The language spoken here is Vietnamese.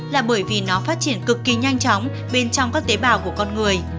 là bởi vì nó phát triển cực kỳ nhanh chóng bên trong các tế bào của con người